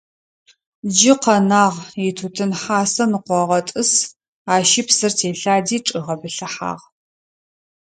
Джы къэнагъ: итутын хьасэ ныкъогъэтӀысы, ащи псыр телъади чӀигъэбылъыхьагъ.